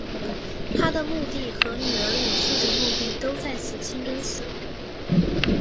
她的墓地和女儿女婿的墓地都在此清真寺。